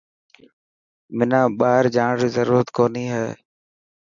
حنا ٻاهر جاڻ ري ضرورت ڪونهي هي.